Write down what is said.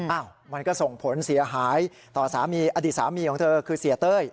มันก็ส่งผลเสียหายต่อสามีอดีตสามีของเธอคือเสียเต้ย